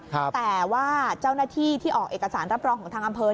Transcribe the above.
แต่ว่าเจ้าหน้าที่ที่ออกเอกสารรับรองของทางอำเภอ